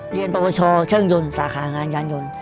เรียนประวัติศาสตร์ช่างยนต์สาขางานการยนต์